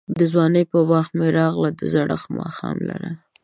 دځوانۍپه باغ می راغله، دزړښت دماښام لړه